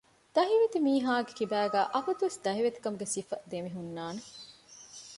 ދަހިވެތި މީހާގެކިބާގައި އަބަދުވެސް ދަހިވެތިކަމުގެ ސިފަ ދެމިހުންނާނެ